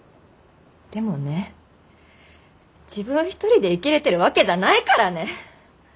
でもね自分一人で生きれてるわけじゃないからね。